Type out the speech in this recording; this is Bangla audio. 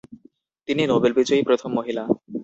তিনি নোবেল বিজয়ী প্রথম মহিলা।